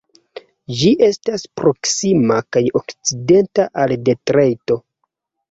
Ĝi estas proksima kaj okcidenta al Detrojto.